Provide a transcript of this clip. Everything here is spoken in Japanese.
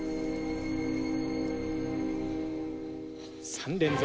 ３連続。